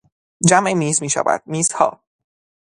جمع "میز" میشود "میزها".